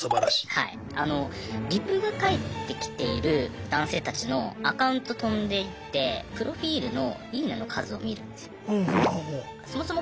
リプが返ってきている男性たちのアカウント飛んでいってプロフィールの「いいね」の数を見るんですよ。